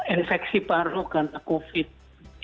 infeksi paru kan covid sembilan belas